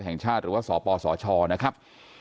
แห่งชาติหรือว่าสปสชนะครับ